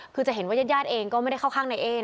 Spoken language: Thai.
คือจะเห็นว่ายาดเองก็ไม่ได้เข้าข้างในเอ๊